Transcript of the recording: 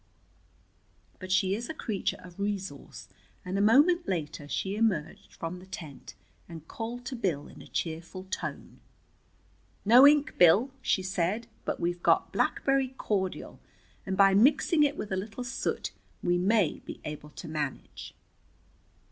But she is a creature of resource, and a moment later she emerged from the tent and called to Bill in a cheerful tone. "No ink, Bill," she said, "but we've got blackberry cordial, and by mixing it with a little soot we may be able to manage."